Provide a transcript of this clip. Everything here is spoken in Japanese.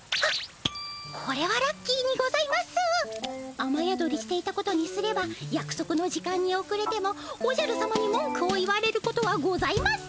雨宿りしていたことにすればやくそくの時間におくれてもおじゃる様にもんくを言われることはございません！